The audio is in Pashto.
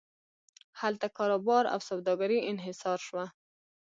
هلته کاروبار او سوداګري انحصار شوه.